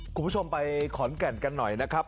คุณผู้ชมไปขอนแก่นกันหน่อยนะครับ